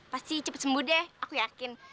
pasti cepat sembuh deh aku yakin